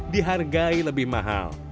dihargai lebih mahal